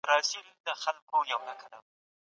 ولسواکي د هېواد د ثبات لپاره غوره لاره ده.